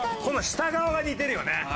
この下側が似てるよね。